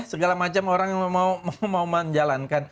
segala macam orang yang mau menjalankan